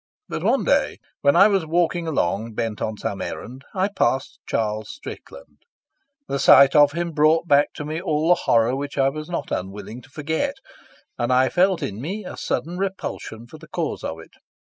But one day, when I was walking along, bent on some errand, I passed Charles Strickland. The sight of him brought back to me all the horror which I was not unwilling to forget, and I felt in me a sudden repulsion for the cause of it.